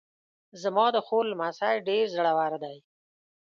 زما د خور لمسی ډېر زړور ده